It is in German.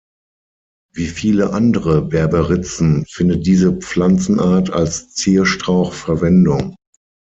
Wie viele andere Berberitzen findet diese Pflanzenart als Zierstrauch Verwendung.